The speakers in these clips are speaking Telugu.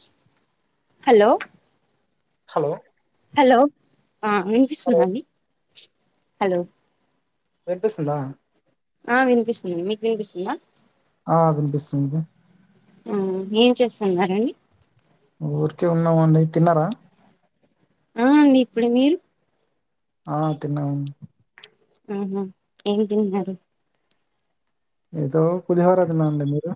చు హలో హలో హలో అ వినిపిస్తుందా అండి హలో వినిపిస్తుందా ఆ వినిపిస్తుంది మీకు వినిపిస్తుందా ఆ వినిపిస్తుంది అవున ఏం చేస్తున్నారండి ఊరికే ఉన్నామండి తిన్నారా ఆ అండి ఇప్పుడె మీరు ఆ తిన్నాము ఆహ ఏం తిన్నారు ఏదో పులిహోర తిన్నాం లే మీరు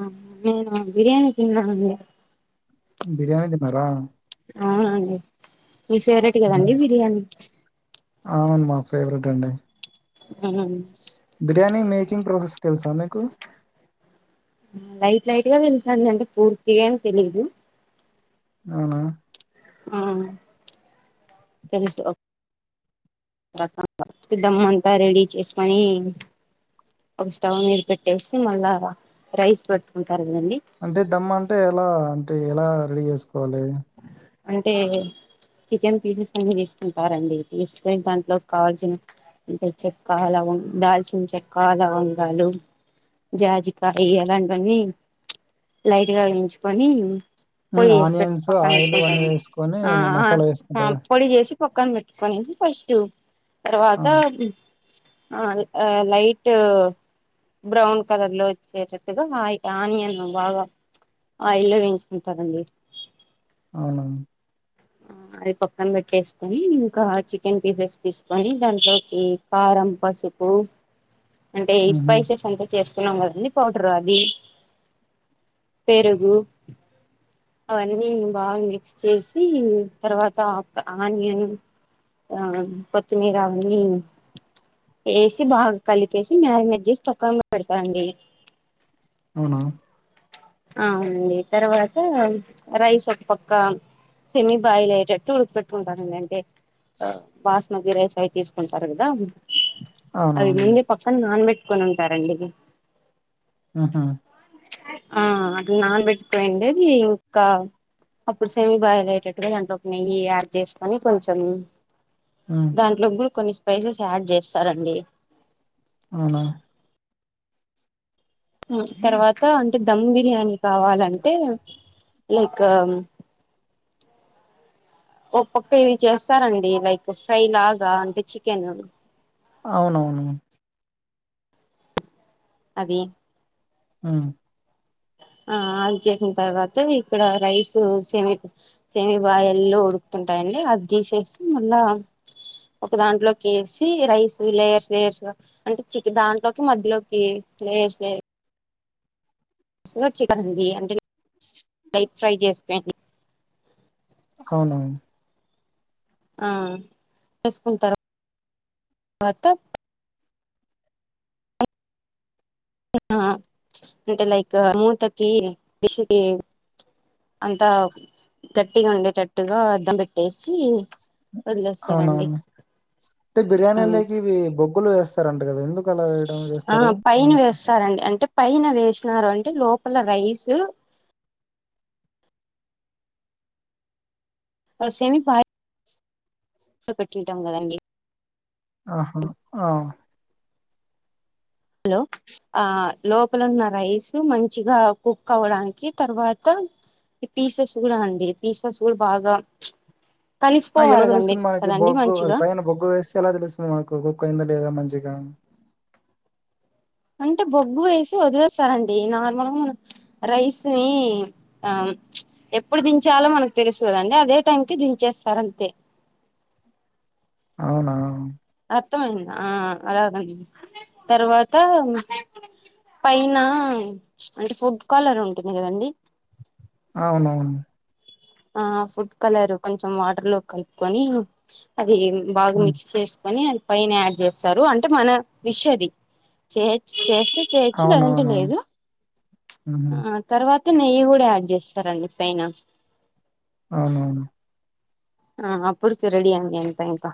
అవున నీను బిర్యానీ తిన్నామండి బిర్యానీ తిన్నారా అవునండి మీ ఫెవరెట్ కదండి ఉమ్. బిర్యానీ అవును మా ఫేవరెట్ అండి ఎలా ఉన్నా [unintelligible] బిర్యానీ మేకింగ్ ప్రాసెస్ తెలుసా మీకు లైట్ లైట్ గా తెలుసండి అంటే పూర్తిగా ఏమి తెలీదు అవునా. ఆ తెలుసు ఓ [unintelligible] దమ్ అంతా రెడీ చేసుకొని ఒక స్టవ్ మీద పెట్టేసి మళ్ళా రైస్ పెట్టుకుంటారు కదండి అంటే దమ్ అంటే ఎలా అంటే ఎలా రెడీ చేసుకోవాలి అంటే చికెన్ పీసెస్ అనే తీసుకుంటారండి తీసుకొని దాంట్లో కావాల్సిన అంటే చెక్క లవన్ దాల్చిన చెక్క లావంగాలు జాజికా [unintelligible] అలాంటివన్నీ లైట్ గా వేయించుకొని. పొడి చేసి పెట్టి ఆనియన్స్ పక్కన ఆయిల్ అవన్నీ పెట్టుకుంటారు వేసుకొని ఆ మసాలా ఆ వేసుకుంటారు కదా పొడి చేసి పక్కన పెట్టుకునీ ఫస్ట్ ఆ, తరువాత ఆ లైటు బ్రౌన్ కలర్ లో వచ్చేటట్టుగా ఆనియన్ బాగ ఆఇల్ల్లో వేయించుకుంటారంండి అవున ఆ అది పక్కన పెట్టేసుకొని ఇంక చికెన్ పీసెస్ తీసుకొని దాంట్లోకి కారం పసుపు అంటే ఈ ఉహు స్పైసెస్ అంత చేసుకున్నాం కదండి పౌడరు అది పెరుగు అవన్నీ బాగ్ మిక్స్ చేసి తర్వాత ఒక ఆనియన్ ఆ కొత్తిమీర [unintelligible] ఏసి బాగ కలిపేసి మ్యాగినేట్ చేసి పక్కన పెడతా అండి అవునా అవునండి తర్వాత రైస్ ఒక పక్క సెమి బాయిల్ అయ్యేటట్టు ఉడుక్పెట్టు కుంటారండి అంతే ఆ బాస్మతి రైస్ అవి తీసుకుంటారు కదా అవి అవునవును ముందే ప పక్కన నాన్బెట్టుకొని ఉంటారండి ఆది ఆహా ఆ అది నానబెట్టుకో [unintelligible] అప్పుడు సెమీ బాయిల్ అయ్యేటట్టుగ దాంట్లోకి నెయ్యి యాడ్ చేసుకొని కొంచెం ఆ దాంట్లో కూడ కొన్ని స్పైసెస్ యాడ్ చేస్తారండి అవునా తర్వాత అంటే దమ్ బిర్యానీ కావాలంటే. లైకు ఒ పక్క ఇది చేస్తారండి లైక్ ఫ్రై లాగ అంటే చికెన్ అవునవును అది ఆ ఆ అది చేసిన తర్వాతే ఇక్కడ రైస్ సేమి ఇవి బాయల్ల్లో ఉడుకుతుంటాయండి అది తీసేస్తే మళ్ళా ఒక దాంట్లోకేసి రైస్నీ లేయర్స్ లేయర్స్గా అంటే చిక్ దాంట్లోకి మధ్యలోకి [unintelligible] [unintelligible] అవునవును [unintelligible] ఆ వేసుకుంటారా వేసుకున్న తర్వాత ఆ అంటే లైక్ మూతకి [unintelligible] అంతా గట్టిగా ఉండేటట్టుగా దమ్ [unintelligible] పెట్టేసి వదిలేస్తారండి అవునవును. ఉం బొగ్గు [unintelligible] ముగ్గులు వేస్తారు అంట కదండి ఎందుకలా వేయడం ఆ వేస్తారు పైన వేస్తారండి అంటే పైన వేసినారు అంటే లోపల రైస్ ఒసేయ్ నీ [unintelligible] పెట్టింటాం కదండి ఆహా ఆ హలో ఆ లోపల ఉన్న రైస్ మంచిగా కుక్ అవడానికి తర్వాత ఈ పీసాస్ కూడా అండి పీసాస్ కూడా బాగా చ్ ఆ ఎలా తెలుస్తుంది మనకి బొగ్గు అది మంచిగా పైన బొగ్గు వేస్తే ఎలా తెలుస్తుంది మాకు కుక్ అయిందా లేదా మంచిగా అంటే బొగ్గు వేసి వదిలేస్తారండి నార్మల్ గా మనం రైస్ ని ఆ చ్ ఎప్పుడు దించాలో మనకు తెలుసు కదండి అదే టైం కి దించేస్తారు అంతే అవునా అర్థమయింది ఆ అలాగండి తర్వాత పైన అంటే ఫుడ్ కాలర్ ఉంటుంది కదండి అవును అవును ఆ ఫుడ్ కలర్ కొంచెం వాటర్ లో కలుపుకొని అది బాగా ఉమ్, మిక్స్ చేసుకొని అది పైన యాడ్ చేస్తారు అంటే మన విష్ అది చే చేసి అవునవును ఉం ఆ తర్వాత నెయ్యి కూడా యాడ్ చేస్తారండి పైన అవునువును ఆ ఆప్పుుడుకి రెడి అ అంతా ఇంకా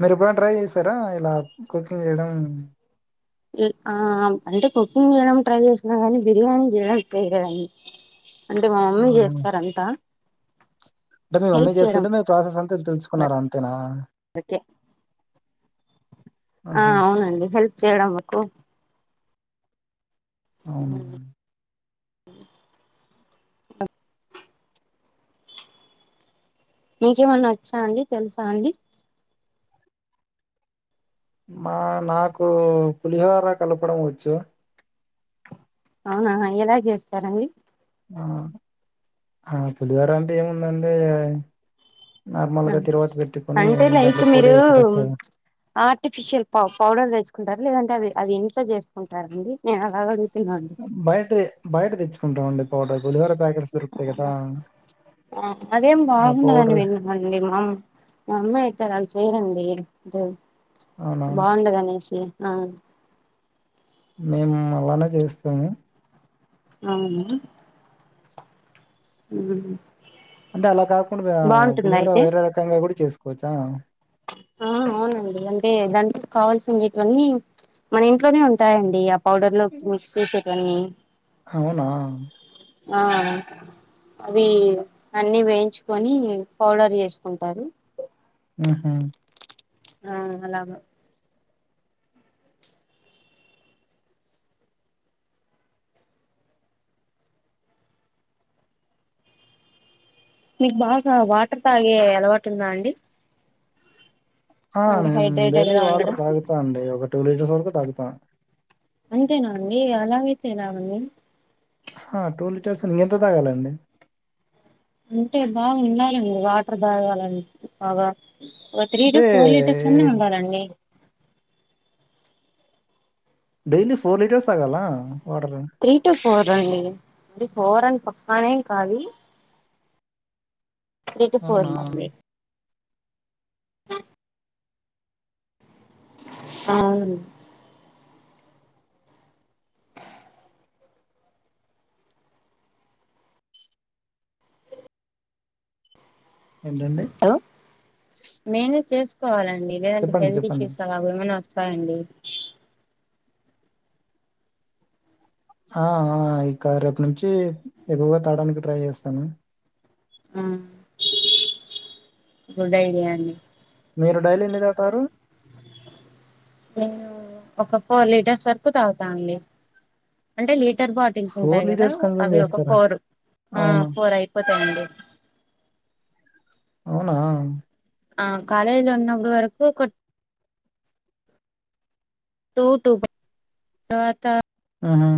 మీరు ఎప్పుడైనా ట్రై చేశారా ఇలా కుకింగ్ చేయడం ఆ అంటే కుకింగ్ చేయడం ట్రై చేసినా కానీ బిర్యానీ చేయడంలేదండి అంటే మా మమ్మీ ఆహా. చేస్తారు ఆంట అంటే మీ మమ్మీ చేస్తుంటే మీరు ప్రాసెస్ అంత తెలుసుకున్నారు అంతేనా ఓకే ఆ ఆహా, అవునండి హెల్ప్ చేయడం వరకు అవును మీకేమన్నా వచ్చా అండి తెలుసా అండి మా నాకు పులిహోర కలపడం వచ్చు ఆహా హా ఎలా చేస్తారండి. ఆ ఆ పులిహోర అంటే ఏముందండి నార్మల్ గా తిరువాతి పెట్టుకొని అంటే దాంట్లో లైక్ పొడి ఒకట మీరు వస్తాధ ఆర్టిఫిషియల్ పౌ పౌడర్ తెచ్చుకుంటారు లేదంటే అవి అది ఇంట్లో చేసుకుంటారండి నేను అలాగ అడుగుతున్నా అండి బయట బయట తెచ్చుకుంటాంమండి పౌడర్ పులిహోరా ప్యాకెట్స్ దొరుకుతాయి కదా ఆ అదేం ఆ బాగుండదని పౌడర్ విన్నాను [unintelligible] అనండి మామ్ మా అమ్మా అయితే అలా చేయరండి అవునా బాగుండదనేసి ఆ మేం అలానే జేస్తాము ఔనా ఉమ్ అంటే అలా కాకుండబ్యా పులిహోర అయితే వేరే రకంగా గుడ చేసుకోవచ్చా ఆ ఔనండి అంటే దాంట్కి కావాల్సి ఉండేటువన్నీ మన ఇంట్లోనే ఉంటాయండీ అప్ పౌడర్ లో మిక్స్ సేసేటివన్నీ హౌ నా ఆహ్ ఔన్ అవీ అన్నీ వేయించుకొనీ పౌడర్ జేస్కుంటరు ఉ హూ హువ్ అలాగో మీక్ బాగా వాటర్ తాగే అలవాటుందా అండి ఆ అంటే నేన్ హైడ్రేటెడ్ డైలీ గా వాటర్ ఉండడం తాగుతా అండీ ఒక టూ లీటర్స్ వరకు తాగుతా అంతేనా అండీ అలాగైతే ఎలాగండి హా టూ లీటర్స్ అన్ ఇంగెంత తాగాలండి అంటే బాగుండాలండి వాటర్ దాగాలన్ బాగా ఓ త్రీ టు అంటే ఫోర్ లీటర్స్ అన్న ఉండాలండి డైలీ ఫోర్ లీటర్స్ తాగాలా వాటరు త్రీ టు ఫోర్ అండి అది ఫోర్ అన్ పక్కానేం కాదు త్రీ టు ఫోర్ అవునా మంది ఆవును ఏంటండి నేనే చేస్కోవాలండి లేదంటే చెప్పండి హెల్త్ చెప్పండి ఇష్యూస్ అలా గేమన్న వస్ సాయండి ఆ ఆ ఇక రేపు నుంచీ ఎక్కువగా తాడానికి ట్రై జేస్తాను ఉమ్ గుడ్ ఐడియా అండి మీర్ డైలీ ఎన్ని తావుతారు నేనూ ఒక ఫోర్ లీటర్స్ వరకు తాగుతా అండీ అంటే లీటర్ బాట్ బాటిల్స్ ఉంటయ్ గదా లీటర్స్ కన్జ్యూమ్ అవి ఒక చేస్తారా? ఫోర్ ఆ అవును. ఫోర్ ఐపోతాయండి ఔ నా ఆ కాలేజ్ లో ఉన్నప్పుడు వరకు ఒకొట్ టూ టూ తర్వాత అ హా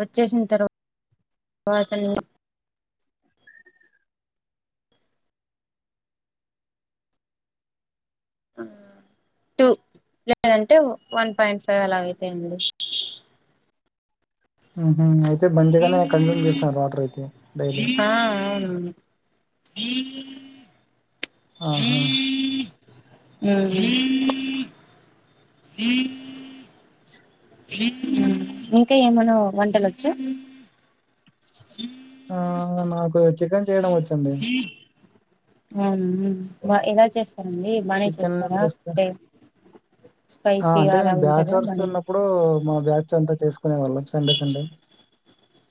వచ్చేసిన్ తర్వాత్ తర్వాతని టూ లేదంటే వన్ పాయింట్ ఫైవ్ అలాగైతయ్ అండి హుహు. అయితే మంచిగానే కన్జ్యూమ్ ఆ చేస్తున్నారు వాటరయితే ఔనవును డైలీ. ఇహ్ మ్ ఇహ్ ఆహా! ఇ ఉమ్మ్ ఉమ్ ఇంక ఏమనో వంటలొచ్చ ఆహ్ ఇంగ నాకు చికెన్ చేయడం వచ్చండి ఉమ్ హ్మ్ బా ఎలా చేస్తరండీ బానే చికెన్ చేస్తరా చేస్తా. అంటే ఆ స్పైసీగా అంటే మేం అలా ఉంటదా బ్యాచ్లర్స్ బానే ఉన్నప్పుడూ మా బ్యాచ్ అంతా చేసుకునే వాళ్ళం సండే సండే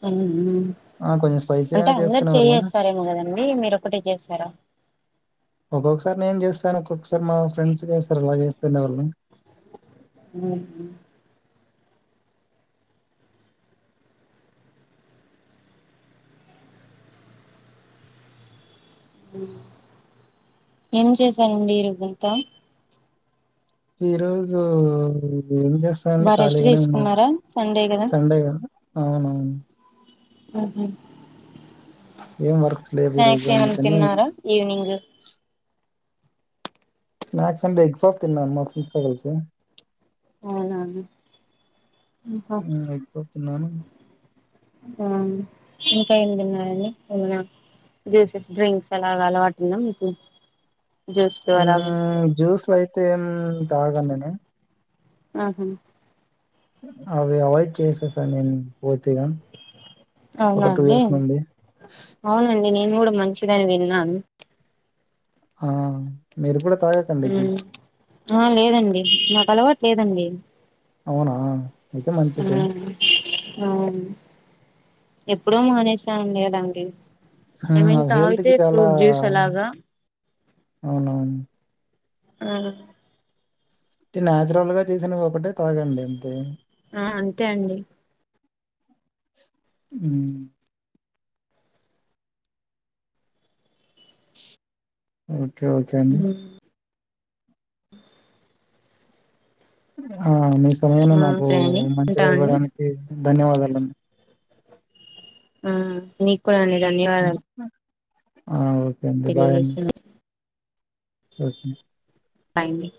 హ్మ్ ఉమ్ ఆ! కొంచెం అంటే స్పైసీగానే అందర్ చేసుకునేవాళ్ళం. చెయ్యేస్తారేమో గదం అండీ మీరొక్కటే జేస్తారా ఒక్కొక్కసార్ నేన్ జేస్తాను ఒక్కొక్కసారి మా ఫ్రెండ్స్ జేస్తారు అలా జేస్తుండే వాళ్ళమీ ఉమ్ హ ఏం చేశారండి ఈరోజంతా ఈరోజు ఏం చేస్త అవునండి బాగా రెస్ట్ ఖాళీగానే ఉన్నాను తీసుకున్నారా సండే కదా సండే కదా అవునవును ఉమ్ ఏం వర్క్స్ లేదు ఈ రోజు అందుకని ఈవనింగ్ స్నాక్స్ అంటే ఎగ్ పఫ్ తిన్నాను మా ఫ్రెండ్స్ తో కలిసి అవునా హమ్ అయిపోతున్నాను ఆహ్ ఇంకా ఏ తిన్నారండి ఏమనా జ్యూసెస్ డ్రింక్స్ అలాగా అలవాటుందా మీకు జ్యూస్లు అలాగా హమ్ జ్యూస్ అయితే తాగను నేను ఆహా అవి అవాయిడ్ చేసేసాను నేను పూర్తిగా ఒక అవునండి ఇయర్స్ నుండి. అవునండి నేను కూడా మంచిదని విన్నాను ఆ మీరు కూడా తాగ ఆమ్ ఆహా లేదండి నాకు అలవాటు లేదండి అవునా అయితే మంచిదే. ఉమ్ అవును ఎప్పుడో మానేసాను కదండి ఆమ్ హెల్త్కి చాలా అలాగా అవునవును ఆహా నేచురల్ గా చేసినవి ఒకటే తాగండి అంతే ఆ అంతే అండి ఉమ్ ఓకే ఓకే అండి మ్మ్ ఆ మీ సమయంనీ ఆ నాకు సరే అండి ఉంటా మంచిగా అండి ఇవ్వడానికి ధన్యవాదాలండి ఆమ్ మీకు కూడా అండి ధన్యవాదాలు ఆ ఓకే అండి బాయ్ అండి తెలియజేస్తున్నా ఓకే బాయ్ అండి